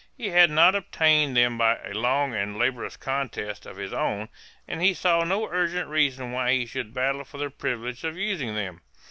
He had not attained them by a long and laborious contest of his own and he saw no urgent reason why he should battle for the privilege of using them.